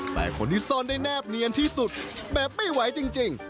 แต่คนที่ซ่อนได้แนบเนียนที่สุดแบบไม่ไหวจริง